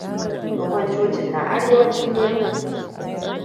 Tsohon cocin na arewacin birnin.